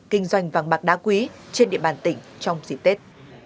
kinh doanh vàng bạc đá quý trên địa bàn tỉnh trong dịp tết